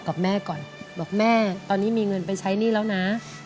กับแม่ก่อนบอกแม่ตอนนี้มีเงินไปใช้หนี้แล้วนะ